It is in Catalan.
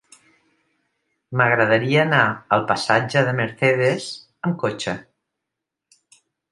M'agradaria anar al passatge de Mercedes amb cotxe.